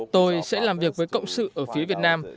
tôi sẽ làm việc với cộng sự ở phía việt nam